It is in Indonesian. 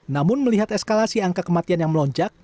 namun melihat eskalasi angka kematian yang melonjak